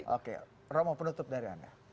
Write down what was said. oke romo penutup dari anda